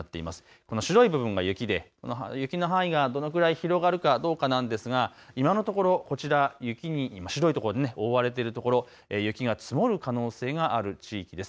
この白い部分が雪で雪の範囲がどのぐらい広がるかどうかなんですが今のところこちら雪に、白い所に覆われているところ雪が積もる可能性がある地域です。